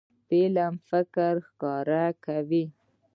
قلم فکر ښکاره کوي.